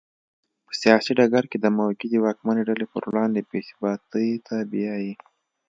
په سیاسي ډګر کې د موجودې واکمنې ډلې پر وړاندې بې ثباتۍ ته بیايي.